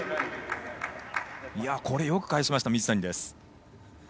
よく返しました、水谷です。